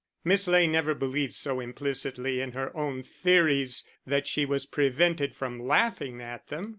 Miss Ley never believed so implicitly in her own theories that she was prevented from laughing at them.